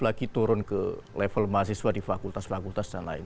lagi turun ke level mahasiswa di fakultas fakultas dan lain